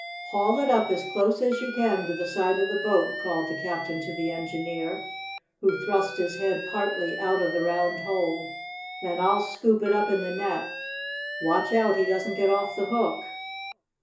"Haul it up as close as you can to the side of the boat!" called the captain to the engineer, who thrust his head partly out of the round hole. "Then I'll scoop it up in the net. Watch out he doesn't get off the hook."